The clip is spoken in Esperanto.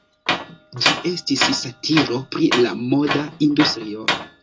Ĝi estis satiro pri la moda industrio.